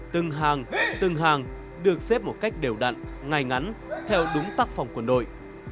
từng hàng từng hàng được xếp một cách đều đặn ngày ngắn theo đúng tác phòng quân đội